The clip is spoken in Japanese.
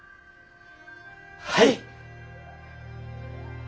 はい！